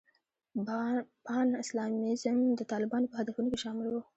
پان اسلامیزم د طالبانو په هدفونو کې شامل و.